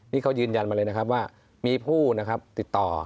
นี่เขายืนยันมาเลยนะครับว่ามีผู้นะครับติดต่อ